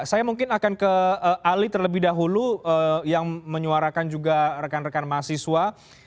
saya mungkin akan ke ali terlebih dahulu yang menyuarakan juga rekan rekan mahasiswa